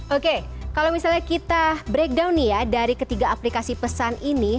oke kalau misalnya kita breakdown nih ya dari ketiga aplikasi pesan ini